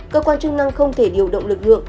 cơ quan chức năng không thể điều động lực lượng